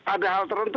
ada hal tertentu